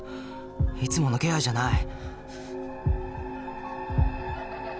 いつもの気配じゃない